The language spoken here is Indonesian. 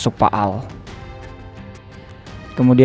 jadi saya mau ngecewain bapak